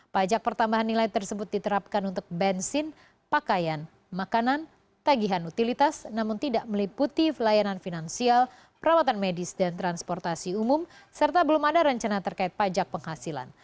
pajak pertambahan nilai tersebut diterapkan untuk bensin pakaian makanan tagihan utilitas namun tidak meliputi pelayanan finansial perawatan medis dan transportasi umum serta belum ada rencana terkait pajak penghasilan